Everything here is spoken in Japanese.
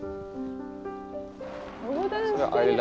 横断してる。